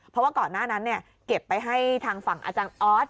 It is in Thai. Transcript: เพราะว่าก่อนหน้านั้นเก็บไปให้ทางฝั่งอาจารย์ออส